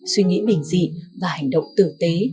suy nghĩ bình dị và hành động tử tế